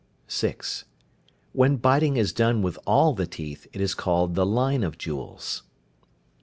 (6). When biting is done with all the teeth, it is called the "line of jewels."